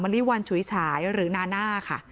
ริวัลฉุยฉายหรือนาน่าค่ะ